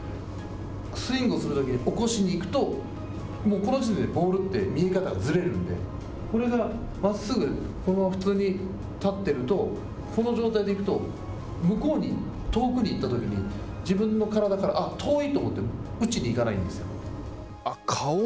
スイングをするときに起こしにいくと、もうこの時点でボールって見え方がずれるんで、これがまっすぐ、このまま普通に立ってると、この状態でいくと、向こうに、遠くに行ったときに、自分の体から、あっ、遠いと思って打ちにいかないんですよ。